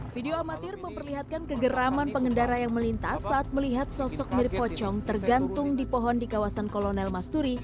video amatir memperlihatkan kegeraman pengendara yang melintas saat melihat sosok mirip pocong tergantung di pohon di kawasan kolonel masturi